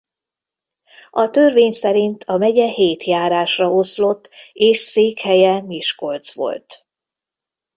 A törvény szerint a megye hét járásra oszlott és székhelye Miskolc volt.